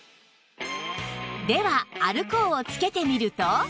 ではアルコーを着けてみると